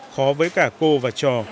khó với cả cô và trò